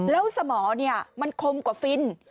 แล้วสมอมันคมกว่าฟิน